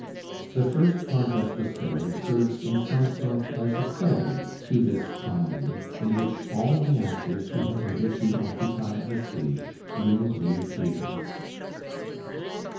The first part of the story serves in some sort as a prelude to this comedy in which all the actors who have hitherto occupied the stage will reappear.